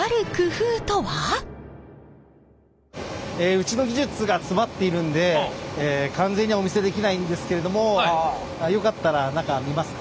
うちの技術が詰まっているんで完全にはお見せできないんですけれどもよかったら中見ますか？